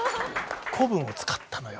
古文を使ったのよ。